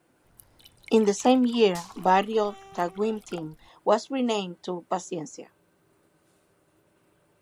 In the same year, barrio Taguimtim was renamed to Pacienca.